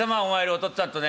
お父っつぁんとね。